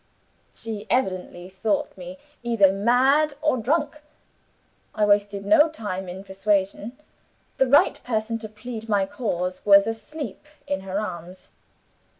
She evidently thought me either mad or drunk. I wasted no time in persuasion; the right person to plead my cause was asleep in her arms.